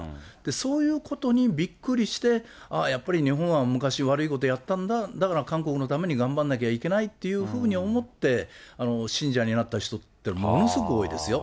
そういうことにびっくりして、ああ、やっぱり日本は昔、悪いことやったんだ、だから韓国のために頑張んなきゃいけないというふうに思って、信者になった人ってものすごく多いですよ。